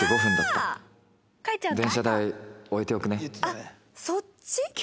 あっそっち？